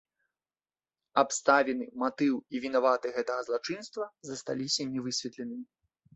Абставіны, матыў і вінаваты гэтага злачынства засталіся нявысветленымі.